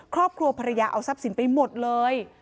ครอบครัวภรรยาเอาทรัพย์สินไปหมดเลย